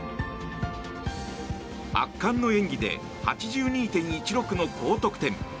圧巻の演技で８２．１６の高得点。